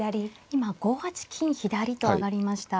今５八金左と上がりました。